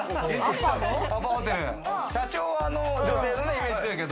社長は女性のイメージ強いけど。